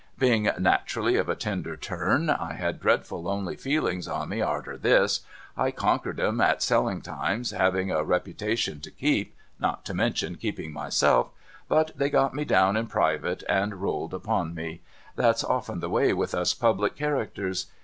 Being naturally of a tender turn, I had dreadful lonely feelings on me arter this. I conquered 'em at selling times, having a repu tation to keep (not to mention keeping myself), but they got me down in private, and rolled upon me. That's often the way with us public characters.